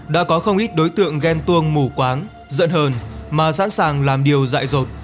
đã có không ít đối tượng ghen tuông mù quáng giận hờn mà sẵn sàng làm điều dại rột